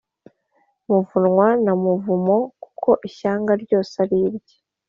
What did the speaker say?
muvumwa wa muvumo kuko ishyanga ryose ari irye